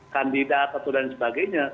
kandidat atau dan sebagainya